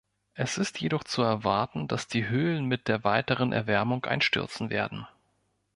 Es ist jedoch zu erwarten, dass die Höhlen mit der weiteren Erwärmung einstürzen werden.